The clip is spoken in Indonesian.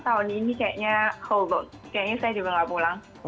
tahun ini kayaknya hold on kayaknya saya juga gak pulang